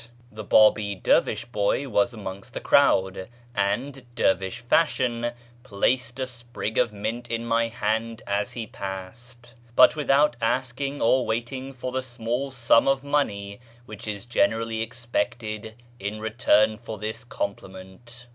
The Biibi dervisli boy was amongst the crowd, and, dervish fashion, placed a sprig of mint in my hand as he passed, but without asking or waiting for the small sum of money which is generally expected in return for this compliment.